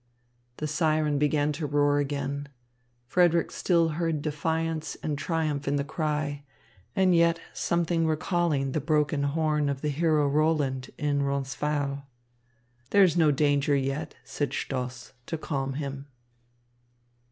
The siren began to roar again. Frederick still heard defiance and triumph in the cry, and yet something recalling the broken horn of the hero Roland in Roncesvalles. "There is no danger yet," said Stoss to calm him.